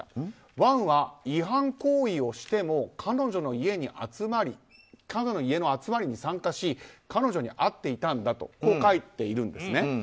ワンは違反行為をしても彼女の家の集まりに参加し彼女に会っていたんだと書いているんですね。